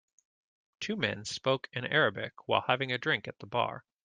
Two men spoke in Arabic while having a drink at the bar.